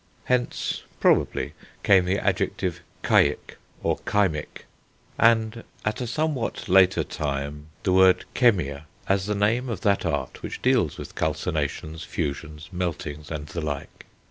Hence, probably, came the adjective chyic or chymic, and, at a somewhat later time, the word chemia as the name of that art which deals with calcinations, fusions, meltings, and the like.